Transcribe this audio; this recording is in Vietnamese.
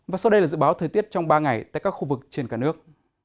và sau đây là dự báo thời tiết trong ba ngày tại các khu vực trên cả nước